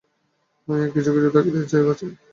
মায়া কিছু কিছু থাকলেই যে বাঁচি।